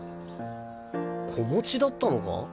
子持ちだったのか？